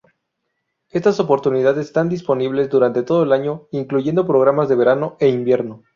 Estas oportunidades están disponibles durante todo el año, incluyendo programas de verano e invierno.